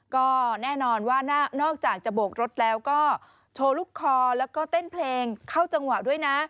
ก็แน่นอนว่านอกจากจะโบกรถแล้วก็โชว์ลูกคอแล้วก็เต้นเพลงเข้าจังหวะด้วยนะ